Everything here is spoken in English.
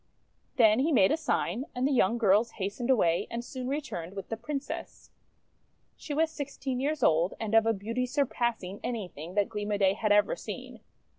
Then he made a sign, and the young girls has tened away, and soon returned with the Princess. She was sixteen years old, and of a beauty sur passing anything that Gleam o' Day had ever seen.